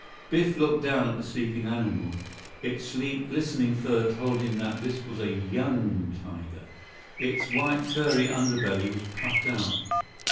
Biff looked down at the sleeping animal. Its sleek, glistening fur told him that this was a young tiger. Its white furry underbelly was puffed out.